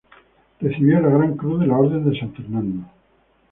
Recibió la Gran Cruz de la Orden de San Fernando.